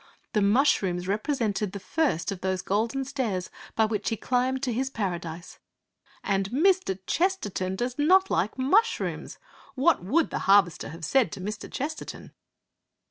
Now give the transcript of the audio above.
The mushrooms represented the first of those golden stairs by which he climbed to his paradise. And Mr. Chesterton does not like mushrooms! What would the Harvester have said to Mr. Chesterton?